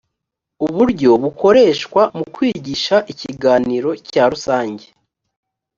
uburyo bukoreshwa mu kwigisha ikiganiro cya rusange